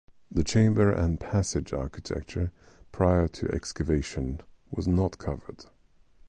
The chamber and passage architecture prior to excavation was not covered.